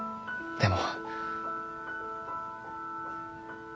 でも。